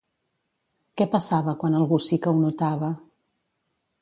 Què passava quan algú sí que ho notava?